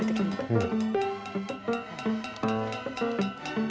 うん。